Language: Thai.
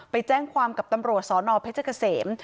ไปแจ้งความกับตำรวจสนเพชรเกษม